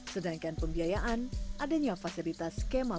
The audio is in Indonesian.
sedangkan pembiayaan adanya fasilitas skema